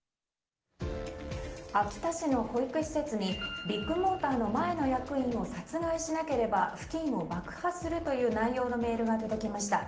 秋田市の保育施設にビッグモーターの前の役員を殺害しなければ付近を爆破するという内容のメールが届きました。